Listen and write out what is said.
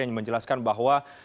yang menjelaskan bahwa